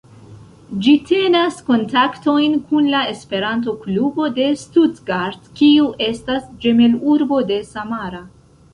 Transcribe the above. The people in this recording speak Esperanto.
Ĝi tenas kontaktojn kun la esperanto-klubo de Stuttgart, kiu estas ĝemelurbo de Samara.